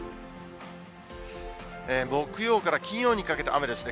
木曜から金曜にかけて雨ですね。